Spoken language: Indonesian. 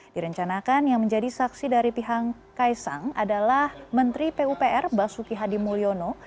direncanakan yang menjadi saksi dari pihak kaisang adalah menteri pupr basuki hadi mulyono